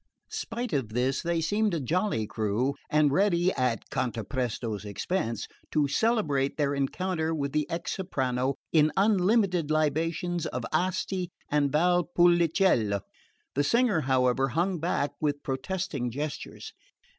Spite of this they seemed a jolly crew, and ready (at Cantapresto's expense) to celebrate their encounter with the ex soprano in unlimited libations of Asti and Val Pulicello. The singer, however, hung back with protesting gestures.